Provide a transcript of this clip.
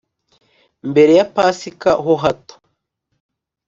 mbere ya pasika ho hato,